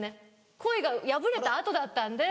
恋が破れた後だったんで。